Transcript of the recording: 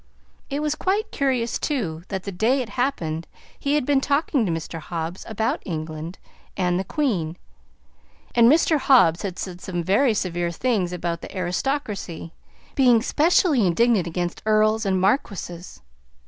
It was quite curious, too, that the day it happened he had been talking to Mr. Hobbs about England and the Queen, and Mr. Hobbs had said some very severe things about the aristocracy, being specially indignant against earls and marquises.